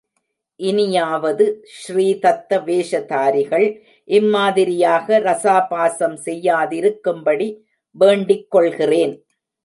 இனியாவது ஸ்ரீதத்த வேஷதாரிகள் இம்மாதிரியாக ரசாபாசம் செய்யாதிருக்கும்படி வேண்டிக் கொள்கிறேன்.